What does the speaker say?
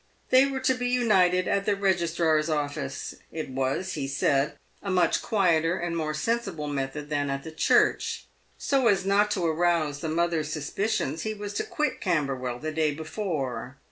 They were to be united at the Registrar's Office. It was, he said, a much quieter and more sensible method than at the church. So as not to arouse the mother's suspicions, he was to quit Camberwell the day before.